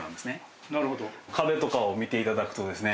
壁とかを見て頂くとですね